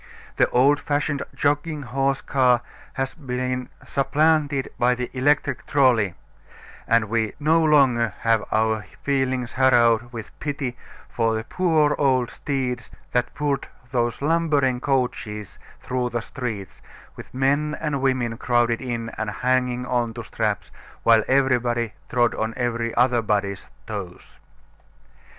The old fashioned, jogging horse car has been supplanted by the electric "trolley," and we no longer have our feelings harrowed with pity for the poor old steeds that pulled those lumbering coaches through the streets, with men and women crowded in and hanging on to straps, while everybody trod on every other body's toes.